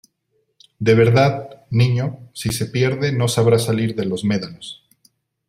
de verdad, niño , si se pierde no sabrá salir de los médanos...